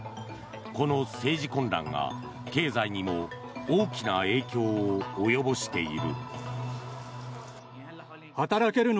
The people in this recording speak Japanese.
この政治混乱が、経済にも大きな影響を及ぼしている。